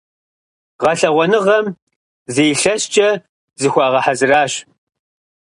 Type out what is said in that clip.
Гъэлъэгъуэныгъэм зы илъэскӀэ зыхуэзгъэхьэзыращ.